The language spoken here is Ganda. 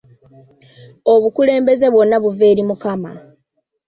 Obukulembeze bwonna buva eri Mukama.